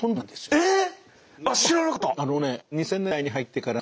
えっ！